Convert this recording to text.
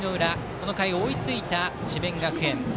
この回、追いついた智弁学園。